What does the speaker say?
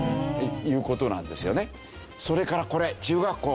それからこれ中学校。